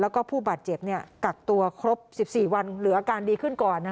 แล้วก็ผู้บาดเจ็บกักตัวครบ๑๔วันเหลืออาการดีขึ้นก่อน